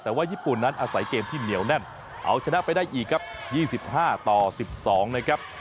แต่ว่าญี่ปุ่นนั้นอาศัยเกมที่เหนียวแน่นเอาชนะไปได้อีกครับ๒๕ต่อ๑๒นะครับ